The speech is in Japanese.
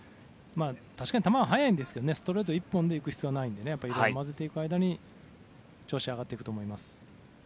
確かに球は速いんですがストレート一本でいく必要はないのでいろいろ混ぜていく間に調子が上がっていくと思います。